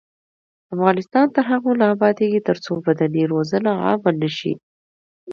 افغانستان تر هغو نه ابادیږي، ترڅو بدني روزنه عامه نشي.